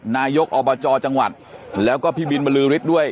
นายกอบจจังหวัดแล้วก็พี่บินบรือฤทธิ์ด้วย